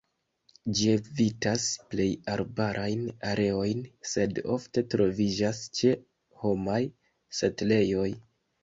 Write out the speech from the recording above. Ĝi evitas plej arbarajn areojn, sed ofte troviĝas ĉe homaj setlejoj.